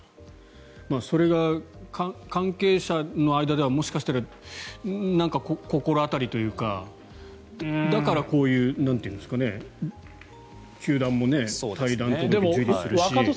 それが関係者の間ではもしかしたら何か心当たりというかだからこういう球団も退団届を受理するし。